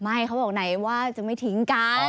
ไม่เขาบอกไหนว่าจะไม่ทิ้งกัน